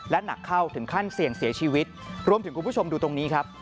และหนักเข้าถึงขั้นเสี่ยงเสียชีวิตรวมถึงคุณผู้ชมดูตรงนี้ครับ